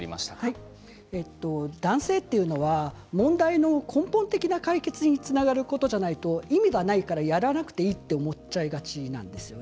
男性というのは問題の根本的な解決につながることではないと意味がないからやらなくていいと思っちゃいがちなんです。